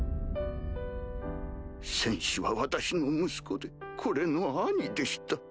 戦士は私の息子でこれの兄でした。